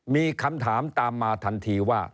มีคำถามตามมาทันทีว่า